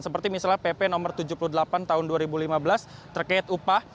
seperti misalnya pp no tujuh puluh delapan tahun dua ribu lima belas terkait upah